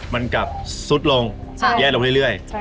มันกลับซุดลงแย่ลงเรื่อย